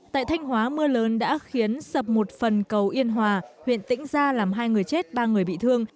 tại thanh hóa mưa lớn đã khiến sập một phần cầu yên hòa huyện tĩnh gia làm hai người chết ba người bị thương